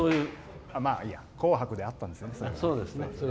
「紅白」であったんですよね。